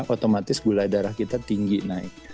otomatis gula darah kita tinggi naik